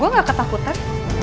gue gak ketakutan